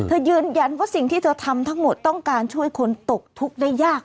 ยืนยันว่าสิ่งที่เธอทำทั้งหมดต้องการช่วยคนตกทุกข์ได้ยาก